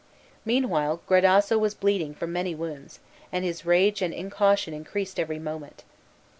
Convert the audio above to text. Meanwhile, Gradasso was bleeding from many wounds, and his rage and incaution increased every moment.